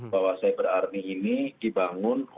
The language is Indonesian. bahwa cyber army ini dibangun